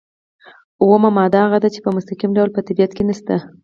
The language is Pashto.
اومه ماده هغه ده چې په مستقیم ډول په طبیعت کې نشته.